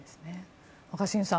若新さん